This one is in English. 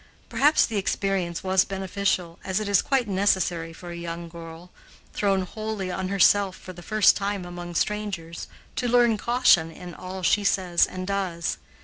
Perhaps the experience was beneficial, as it is quite necessary for a young girl, thrown wholly on herself for the first time among strangers, to learn caution in all she says and does.